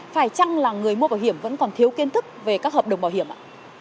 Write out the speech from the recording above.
phải chăng là người mua bảo hiểm vẫn còn thiếu kiến thức về các hợp đồng bảo hiểm ạ